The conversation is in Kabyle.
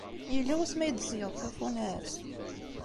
Yella wasmi ay d-teẓẓgeḍ tafunast?